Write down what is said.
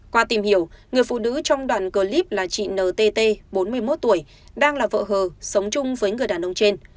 qua tìm hiểu người phụ nữ trong đoàn clip là chị ntt bốn mươi một tuổi đang là vợ hờ sống chung với người đàn ông trên